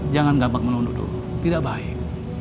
jangan gampang menunduk dulu tidak baik